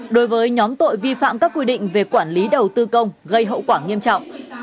đối với nhóm tội vi phạm các quy định về quản lý đầu tư công gây hậu quả nghiêm trọng